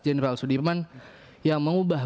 jenderal sudirman yang mengubah